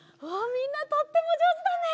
みんなとってもじょうずだね！